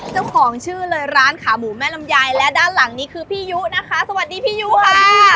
เจ้าของชื่อเลยร้านขาหมูแม่ลำไยและด้านหลังนี้คือพี่ยุนะคะสวัสดีพี่ยุค่ะ